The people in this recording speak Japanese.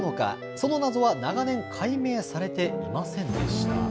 その謎は長年、解明されていませんでした。